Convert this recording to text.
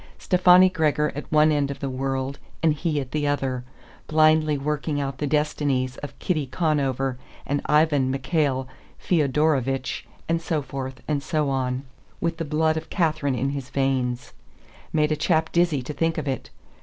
Stefani Gregor at one end of the world and he at the other, blindly working out the destinies of Kitty Conover and Ivan Mikhail Feodorovich and so forth and so on, with the blood of Catharine in his veins! Made a chap dizzy to think of it.